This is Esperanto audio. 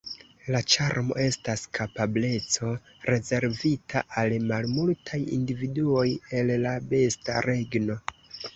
La ĉarmo estas kapableco rezervita al malmultaj individuoj el la besta regno.